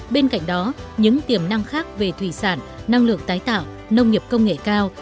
bên cạnh đó những tiềm năng khác về thủy sản năng lượng tái tạo nông nghiệp công nghệ cao